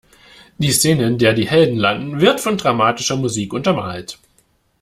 Die Szene, in der die Helden landen, wird von dramatischer Musik untermalt.